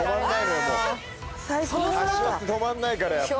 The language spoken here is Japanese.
柏って止まんないからやっぱ。